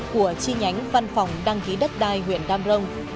của chi nhánh văn phòng đăng ký đất đai huyện đam rồng